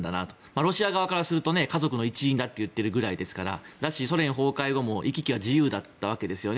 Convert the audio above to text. ロシア側からすると家族の一員だって言ってるぐらいだしソ連崩壊後も行き来は自由だったわけですよね。